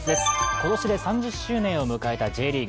今年で３０周年を迎えたＪリーグ。